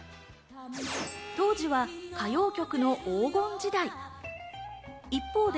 当時は歌謡曲の黄金時代。